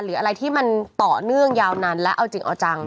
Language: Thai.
หรืออะไรที่มันต่อเนื่องยาวนานและเอาจริงเอาจัง